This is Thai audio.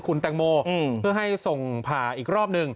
คุณแตงโมเพื่อให้ส่งผ่าอีกรอบหนึ่ง